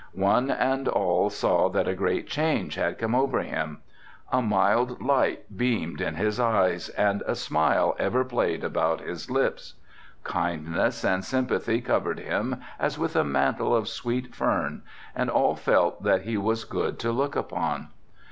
One and all saw that a great change had come over him. A mild light beamed in his eyes and a smile ever played about his lips. Kindness and sympathy covered him as with a mantle of sweet fern and all felt that he was good to look upon.